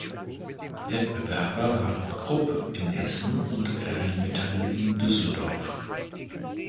Wettbewerber waren Krupp in Essen und Rheinmetall in Düsseldorf.